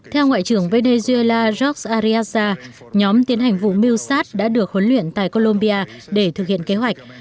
theo ngoại trưởng venezuela jorge ariasza nhóm tiến hành vụ mưu sát đã được huấn luyện tại colombia để thực hiện kế hoạch